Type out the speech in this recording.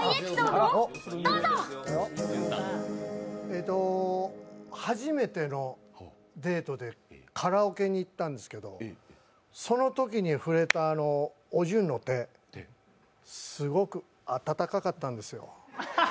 えっと初めてのデートでカラオケに行ったんですけどそのときに触れたお准の手、すごく温かかったんですよ。